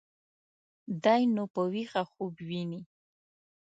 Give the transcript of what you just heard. دى نو په ويښه خوب ويني.